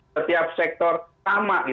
setiap sektor sama